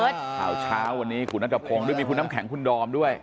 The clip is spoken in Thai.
เท้าเช้าวันนี้คุณนัทกับโครงด้วยมีคุณน้ำแข็งคุณดอมด้วย